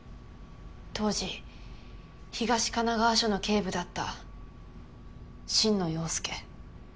当時東神奈川署の警部だった心野陽介。